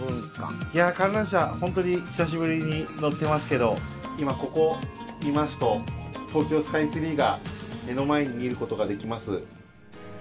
観覧車、本当に久しぶりに乗っていますけど今、ここを見ますと東京スカイツリーが目の前に見ることができます。